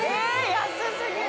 安すぎる。